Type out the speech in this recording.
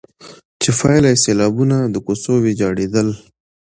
چي پايله يې سيلابونه، د کوڅو ويجاړېدل،